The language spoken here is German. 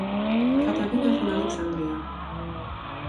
Katharina von Alexandria.